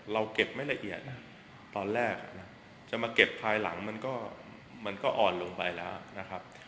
เราเก็บไม่ละเอียดนะตอนแรกจะมาเก็บภายหลังมันก็อ่อนลงไปแล้วนะครับ